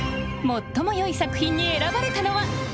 最もよい作品に選ばれたのは。